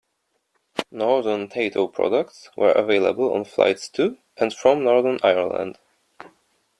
Northern Tayto products were available on flights to and from Northern Ireland.